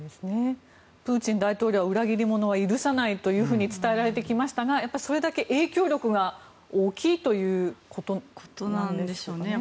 プーチン大統領は裏切り者は許さないというふうに伝えられてきましたがそれだけ影響力が大きいということなんでしょうか。